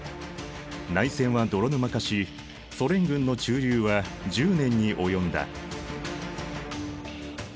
内戦は泥沼化しソ連軍の駐留は１０年に及んだ。